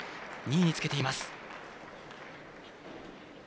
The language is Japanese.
２位につけています。